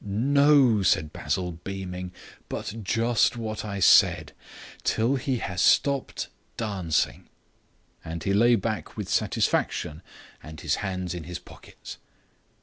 "No," said Basil, beaming, "but just what I said. Till he has stopped dancing." And he lay back with satisfaction and his hands in his pockets.